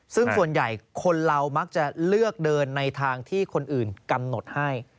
ซึ่งส่วนใหญ่คนเรามักจะเลือกเดินในทางที่คนอื่นกำหนดให้